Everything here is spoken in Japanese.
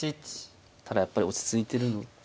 ただやっぱり落ち着いてるので。